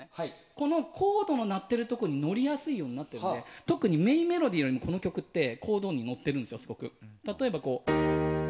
このコードの鳴っているところに乗りやすいようになっているので特にメインメロディーはコードに乗ってるんです。